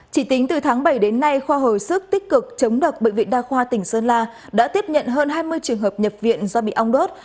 chỉ tính từ tháng bảy đến nay khoa hồi sức tích cực chống độc bệnh viện đa khoa tỉnh sơn la đã tiếp nhận hơn hai mươi trường hợp nhập viện do bị ong đốt